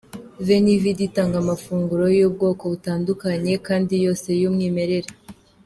Veni Vidi itanga amafunguro y’ubwoko butandukanye kandi yose y’umwimerere.